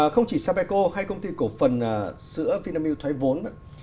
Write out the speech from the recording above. không chỉ sapeco hay công ty cổ phần sữa vinamilk thoái vốn